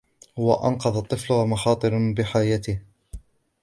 هو أنقذ الطفل مخاطراً بحياته.